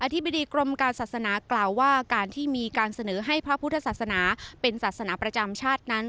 ธิบดีกรมการศาสนากล่าวว่าการที่มีการเสนอให้พระพุทธศาสนาเป็นศาสนาประจำชาตินั้น